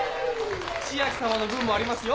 千秋さまの分もありますよ。